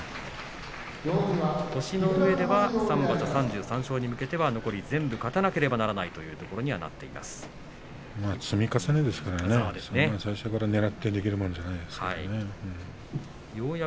星のうえでは３場所３３勝に向けては残り全部勝たなければいけないと積み重ねですからね最初からねらってできるものじゃないですよね。